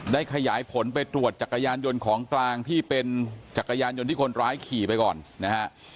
ขยายผลไปตรวจจักรยานยนต์ของกลางที่เป็นจักรยานยนต์ที่คนร้ายขี่ไปก่อนนะฮะ